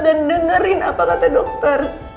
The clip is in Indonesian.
dan dengerin apa kata dokter